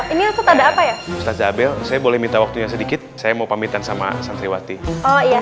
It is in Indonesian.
ini ada apa ya mbak jabel saya boleh minta waktunya sedikit saya mau pamitkan sama satriwati iya